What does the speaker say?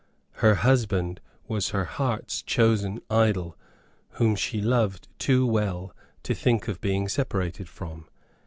Her husband was her heart's chosen idol whom she loved too well to think of being separated from.